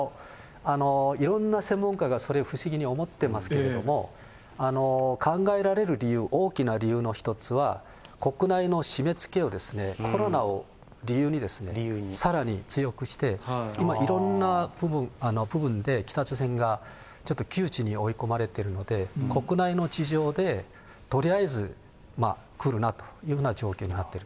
いろんな専門家がそれ、不思議に思ってますけれども、考えられる理由、大きな理由の一つは、国内の締めつけをコロナを理由にさらに強くして、今、いろんな部分で、北朝鮮がちょっと窮地に追い込まれているので、国内の事情でとりあえず来るなというような状況になってる。